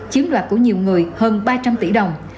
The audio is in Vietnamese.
chiếm đoạt của nhiều người hơn ba trăm linh tỷ đồng